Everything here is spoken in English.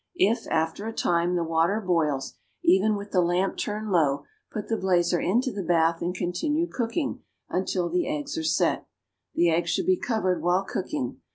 If, after a time, the water boils, even with the lamp turned low, put the blazer into the bath and continue cooking, until the eggs are set. The eggs should be covered while cooking.